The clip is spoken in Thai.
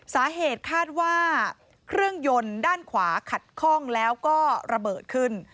สาเหตุคาดว่าเครื่องยนต์ด้านขวาขัดคล่องแล้วก็ระเบิดขึ้น